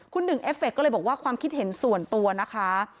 คุณหนึ่งเอฟเคก็เลยบอกว่าความคิดเห็นส่วนตัวนะคะ